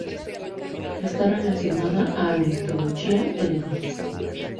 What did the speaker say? Está relacionada a "Aristolochia elegans".